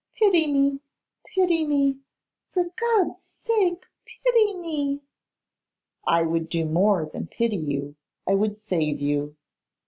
Pity me, pity me; for God's sake, pity me.' 'I would do more than pity you; I would save you.